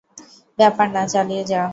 ব্যাপার না, চালিয়ে যা।